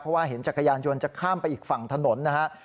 เพราะว่าเห็นจักรยานยนต์จะข้ามไปอีกฝั่งถนนนะครับ